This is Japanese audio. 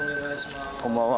こんばんは。